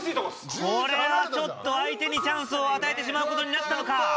これはちょっと相手にチャンスを与えてしまうことになったのか。